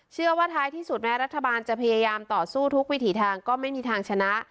ท้ายที่สุดแม้รัฐบาลจะพยายามต่อสู้ทุกวิถีทางก็ไม่มีทางชนะ